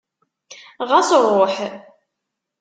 Ɣas ruḥ!